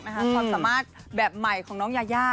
ความสามารถแบบใหม่ของน้องยายา